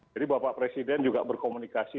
jadi bapak presiden juga berkomunikasi